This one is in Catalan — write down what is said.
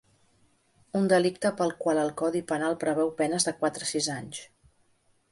Un delicte pel qual el codi penal preveu penes de quatre a sis anys.